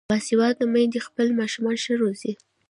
باسواده میندې خپل ماشومان ښه روزي.